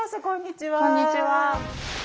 こんにちは。